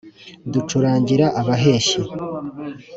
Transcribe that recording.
Ducurangira abaheshyi